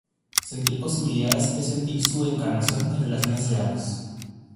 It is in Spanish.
Sentir posibilidades es sentir su encarnación en relaciones reales.